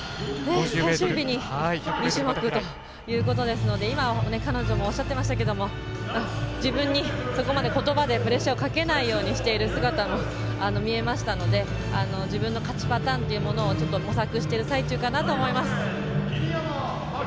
最終日に２種目ということですので今、彼女もおっしゃってましたけど自分にそこまでプレッシャーにかけないようにしている姿も見えましたので自分の勝ちパターンを模索している最中だと思います。